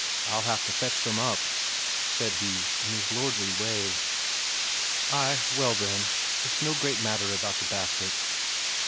I'll have to fetch them up," said he in his lordly way. "Ay well, then. It's no great matter about the basket."